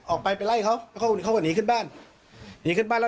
ออกไปไปไล่เขาเขาก็หนีขึ้นบ้าน